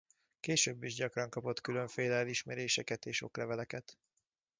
Később is gyakran kapott különféle elismeréseket és okleveleket.